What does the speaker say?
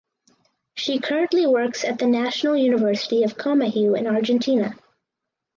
She currently works at the National University of Comahue in Argentina.